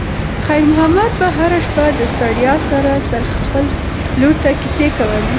خیر محمد به هره شپه د ستړیا سره سره خپلې لور ته کیسې کولې.